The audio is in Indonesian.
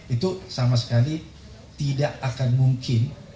itu sama sekali tidak akan mungkin